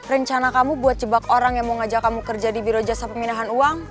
rencana kamu buat jebak orang yang mau ngajak kamu kerja di biro jasa pemindahan uang